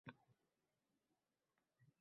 Ayolning holati borgan sari og`irlashib borardi